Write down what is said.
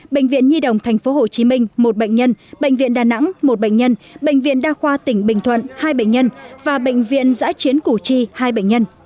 bệnh viện nhi đồng tp hcm một bệnh nhân bệnh viện đà nẵng một bệnh nhân bệnh viện đa khoa tỉnh bình thuận hai bệnh nhân và bệnh viện giãi chiến củ chi hai bệnh nhân